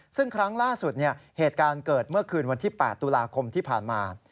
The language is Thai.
ซึ่งครั้งล่าสุดเหตุการณ์เกิดเมื่อคืนวันที่๘ตุลาคมที่ผ่านมา